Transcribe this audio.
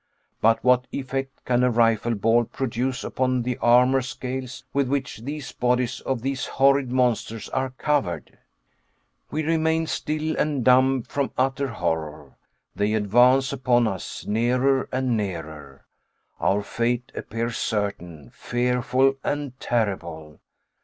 But what effect can a rifle ball produce upon the armor scales with which the bodies of these horrid monsters are covered? We remain still and dumb from utter horror. They advance upon us, nearer and nearer. Our fate appears certain, fearful and terrible.